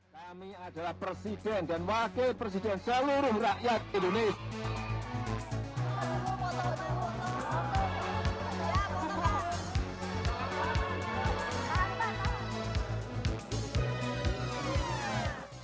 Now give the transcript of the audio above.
kami adalah presiden dan wakil presiden seluruh rakyat indonesia